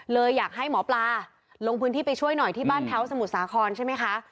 เลยอยากให้หมอปลาลงพื้นที่ไปช่วยหน่อยที่บ้านแพ้วสมุทรสาครใช่ไหมคะ